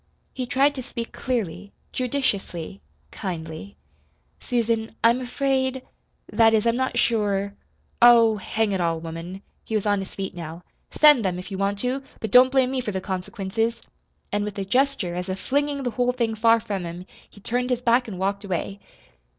He tried to speak clearly, judiciously, kindly. "Susan, I'm afraid that is, I'm not sure Oh, hang it all, woman" he was on his feet now "send them, if you want to but don't blame me for the consequences." And with a gesture, as of flinging the whole thing far from him, he turned his back and walked away.